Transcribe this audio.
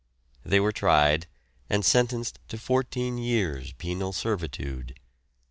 They were tried, and sentenced to fourteen years' penal servitude.